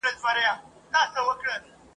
يا به څوك وي چا وهلي يا وژلي !.